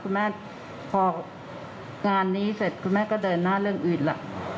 คุณแม่พองานนี้เสร็จคุณแม่ก็เดินหน้าเรื่องอื่นล่ะ